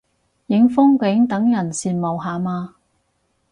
影風景等人羨慕下嘛